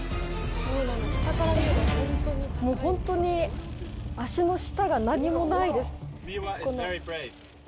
本当に足の下が何もないです。